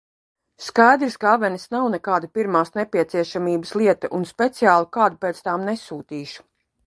Skaidrs, ka avenes nav nekāda pirmās nepieciešamības lieta un speciāli kādu pēc tām nesūtīšu.